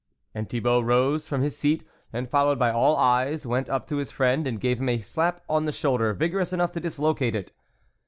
And Thibault rose from his seat, and followed by all eyes, went up to his friend and gave him a slap on the shoulder vigorous enough to dislocate it.